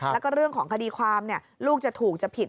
แล้วก็เรื่องของคดีความลูกจะถูกจะผิด